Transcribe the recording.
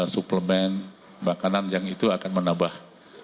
suplemen makanan yang itu akan menambah